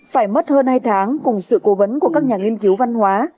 phải mất hơn hai tháng cùng sự cố vấn của các nhà nghiên cứu văn hóa